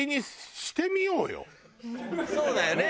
そうだよね。